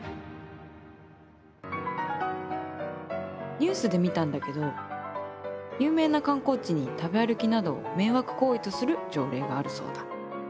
ニュースで見たんだけど有名な観光地に食べ歩きなどを「迷惑行為」とする条例があるそうだ。